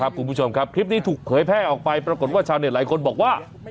คุณผู้ชมครับคลิปนี้ถูกเผยแพร่ออกไปปรากฏว่าชาวเน็ตหลายคนบอกว่า